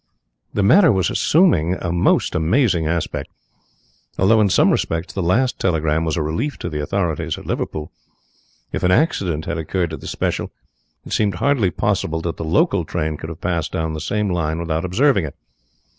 The matter was assuming a most amazing aspect, although in some respects the last telegram was a relief to the authorities at Liverpool. If an accident had occurred to the special, it seemed hardly possible that the local train could have passed down the same line without observing it.